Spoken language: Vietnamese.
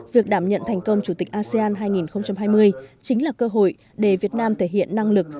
việc đảm nhận thành công chủ tịch asean hai nghìn hai mươi chính là cơ hội để việt nam thể hiện năng lực